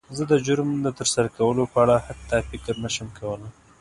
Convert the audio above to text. زه د جرم د تر سره کولو په اړه حتی فکر نه شم کولی.